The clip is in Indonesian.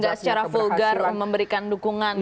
tidak secara vulgar memberikan dukungan